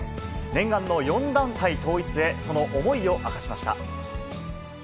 念願の４団体統一へ、その思いを明かしました。